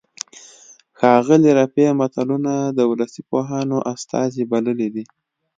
ښاغلي رفیع متلونه د ولسي پوهانو استازي بللي دي